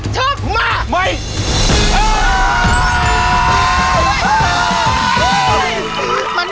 ชุดละนาทุกอย่าง